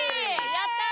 やったー！